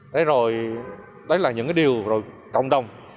đấy rồi đấy là những cái điều rồi cộng đồng